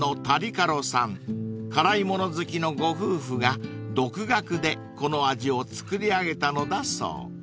［辛いもの好きのご夫婦が独学でこの味を作り上げたのだそう］